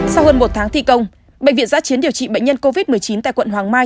sau hơn một tháng thi công bệnh viện giã chiến điều trị bệnh nhân covid một mươi chín tại quận hoàng mai